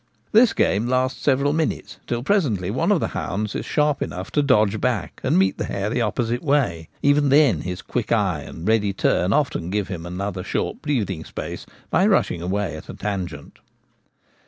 This game lasts several minutes, till presently one of the hounds is sharp enough to dodge back and meet the hare the opposite way. Even then his quick eye and ready turn often give Summer Shooting. 99 him another short breathing space by rushing away at a tangent.